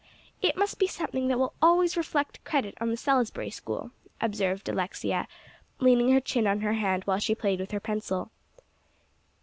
"It must be something that will always reflect credit on the Salisbury School," observed Alexia, leaning her chin on her hand while she played with her pencil.